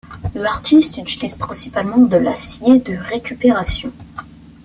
L'artiste utilise principalement de l'acier de récupération.